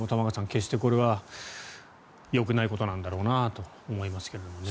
決してこれはよくないことなんだろうなと思いますけどね。